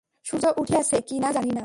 সূর্য উঠিয়াছে কি না জানি না।